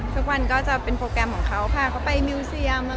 ทุกวันก็จะเป็นโปรแกรมของเขาพาเขาไปมิวเซียมอะไรอย่างนี้ค่ะ